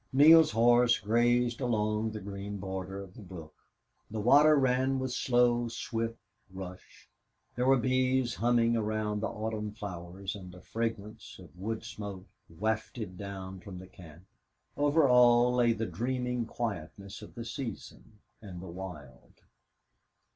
Neale's horse grazed along the green border of the brook. The water ran with low, swift rush; there were bees humming round the autumn flowers and a fragrance of wood smoke wafted down from the camp; over all lay the dreaming quietness of the season and the wild.